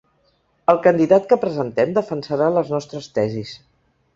El candidat que presentem defensarà les nostres tesis.